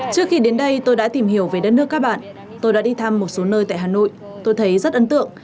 trước khi đến đây tôi đã tìm hiểu về đất nước các bạn tôi đã đi thăm một số nơi tại hà nội tôi thấy rất ấn tượng